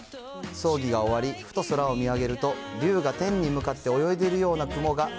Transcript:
葬儀が終わり、ふと空を見上げると、龍が天に向かって泳いでいるような雲が。